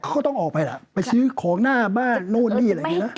เขาก็ต้องออกไปล่ะไปซื้อของหน้าบ้านโน่นนี่อะไรอย่างนี้นะ